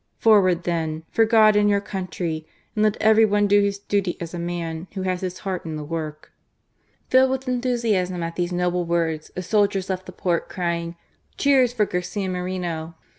Forward, then ! for God and your country! and let every one do his duty as a man who has his heart in the work." Filled with enthusiasm at these noble words the soldiers left the port, crying: Cheers for Garcia Moreno."